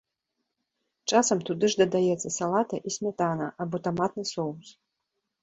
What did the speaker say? Часам туды ж дадаецца салата і смятана або таматны соус.